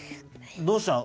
どうしたの？